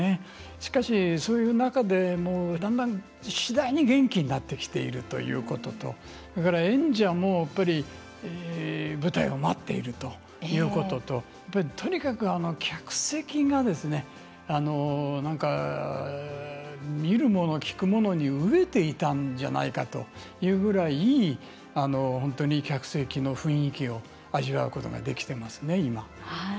しかし、そういう中でもだんだん次第に元気になってきているということとそれから演者もやっぱり舞台を待っているということととにかく客席がですねなんか見るもの、聴くものに飢えていたんじゃないかというぐらい本当にいい客席の雰囲気を味わうことができてますね、今。